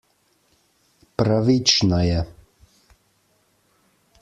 Pravična je.